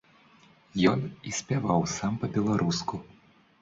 Ён і спяваў сам па-беларуску.